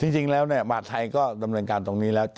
จริงแล้วมหาธัยก็ดำเนินการตรงนี้แล้ว